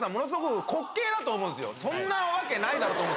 「そんなわけないだろ」と。